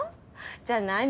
じゃあ何？